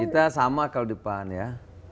kita sama kalau di depan ya